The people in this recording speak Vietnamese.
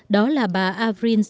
đó là bà avril lavigne